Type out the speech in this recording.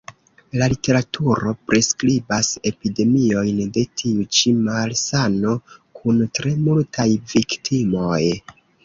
La literaturo priskribas epidemiojn de tiu ĉi malsano kun tre multaj viktimoj.